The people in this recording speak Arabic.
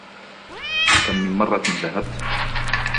كم من مرة ذهبت ؟